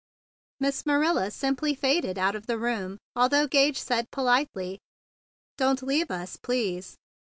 Miss Marilla simply faded out of the room, although Gage said politely, "don't leave us, please."